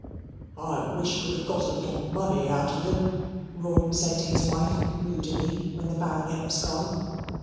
"I wish you could have got a little money out of him," Rawdon said to his wife moodily when the Baronet was gone.